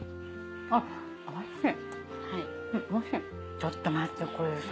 ちょっと待ってこれさ。